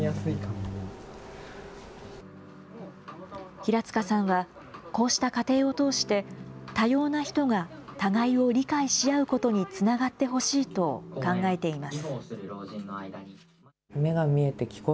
平塚さんは、こうした過程を通して、多様な人が互いを理解し合うことにつながってほしいと考えています。